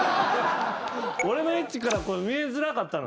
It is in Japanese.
俺の位置から見えづらかった。